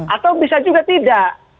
atau bisa juga tidak